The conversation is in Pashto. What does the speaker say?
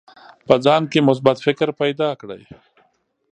په ځان کې مثبت فکر پیدا کړئ.